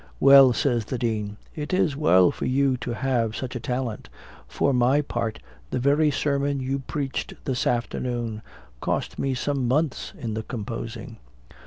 "Well," says the Dean, "it is well for you to have such a talent; for my part, the very sermon you preached this afternoon, cost me some months in the composing."